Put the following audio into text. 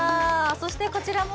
そしてこちらも？